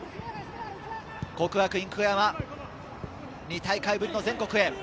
國學院久我山、２大会ぶりの全国へ。